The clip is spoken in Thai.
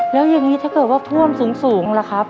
แล้วอย่างนี้ถ้าเกิดว่าท่วมสูงล่ะครับ